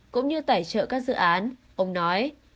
cũng như tài trợ các dự án ông nói